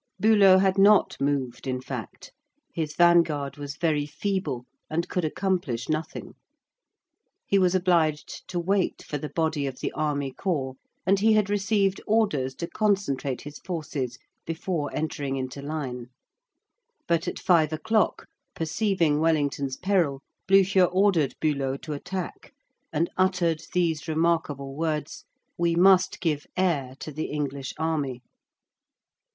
Bülow had not moved, in fact. His vanguard was very feeble, and could accomplish nothing. He was obliged to wait for the body of the army corps, and he had received orders to concentrate his forces before entering into line; but at five o'clock, perceiving Wellington's peril, Blücher ordered Bülow to attack, and uttered these remarkable words: "We must give air to the English army."